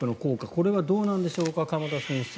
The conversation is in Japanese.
これはどうなんでしょうか鎌田先生。